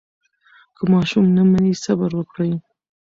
که ماشوم نه مني، صبر وکړئ.